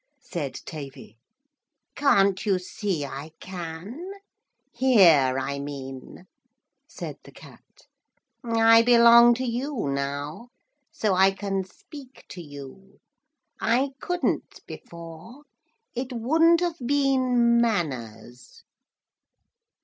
said Tavy. 'Can't you see I can? hear I mean?' said the Cat. 'I belong to you now, so I can speak to you. I couldn't before. It wouldn't have been manners.'